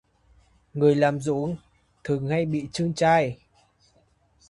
Người làm ruộng thường hay bị chưn chai